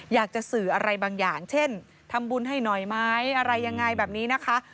อยากจะสื่ออะไรบางอย่างเช่นทำบุญให้หน่อยไหมอะไรยังไงแบบนี้นะคะ